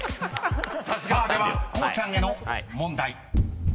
［さあではこうちゃんへの問題］